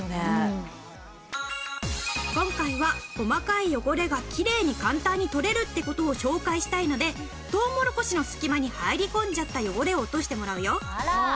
今回は細かい汚れがきれいに簡単に取れるって事を紹介したいのでトウモロコシの隙間に入り込んじゃった汚れを落としてもらうよ。